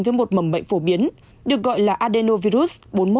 với một mầm bệnh phổ biến được gọi là adenovirus bốn mươi một